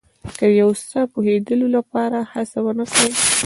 که د یو څه پوهېدلو لپاره هڅه ونه کړئ.